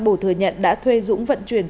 bổ thừa nhận đã thuê dũng vận chuyển